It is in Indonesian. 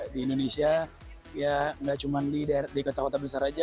di indonesia ya nggak cuma di kota kota besar aja